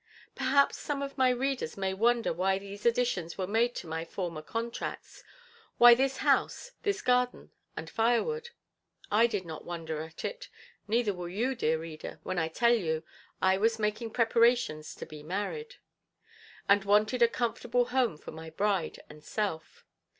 Perhaps some of my readers may wonder why these additions were made to my former contracts; why this house, this garden and firewood? I did not wonder at it, neither will you, dear reader, when I tell you I was making preparations to be married, and wanted a comfortable home for my bride and self.